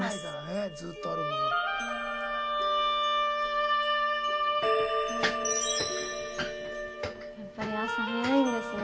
やっぱり朝早いんですね。